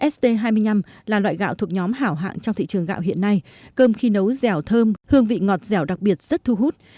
st hai mươi năm là loại gạo thuộc nhóm hảo hạng trong thị trường gạo hiện nay cơm khi nấu dẻo thơm hương vị ngọt dẻo đặc biệt rất thu hút